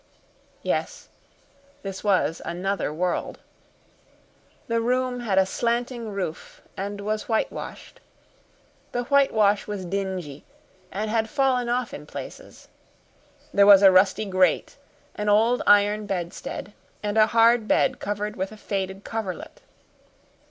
Yes, this was another world. The room had a slanting roof and was whitewashed. The whitewash was dingy and had fallen off in places. There was a rusty grate, an old iron bedstead, and a hard bed covered with a faded coverlet.